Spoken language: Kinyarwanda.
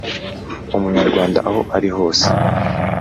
Umunyarwanda aho ari hose